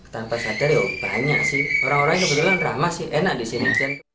tanpa sadar banyak sih orang orang ini benar benar ramah sih enak di sini